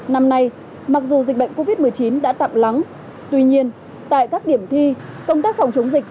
năm nay mặc dù dịch bệnh covid một mươi chín đã tạm lắng tuy nhiên tại các điểm thi công tác phòng chống dịch